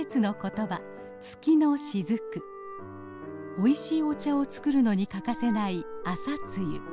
おいしいお茶を作るのに欠かせない朝露。